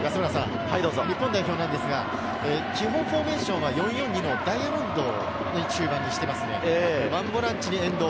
日本代表ですが、基本フォーメーションは４−４−２のダイヤモンドにしていますね。